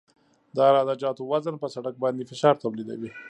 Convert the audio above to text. د عراده جاتو وزن په سرک باندې فشار تولیدوي